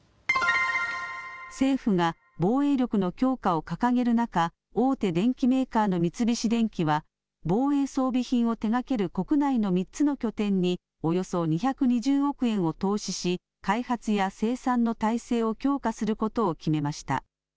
政府が防衛力の強化を掲げる中大手電機メーカーの三菱電機は防衛装備品を手がける国内の３つの拠点におよそ２２０億円を投資し開発や生産の体制を強化することを決めました。